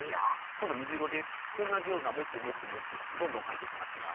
こんどみずいろでおんなじようなモクモクモクどんどんかいていきますよ。